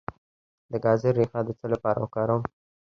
د ګازرې ریښه د څه لپاره وکاروم؟